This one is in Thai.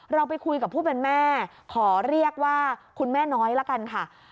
เราไปคุยกับผู้เป็นแม่ขอเรียกว่าคุณแม่น้อยละกันค่ะ